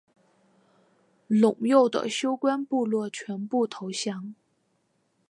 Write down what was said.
陇右的休官部落全部投降。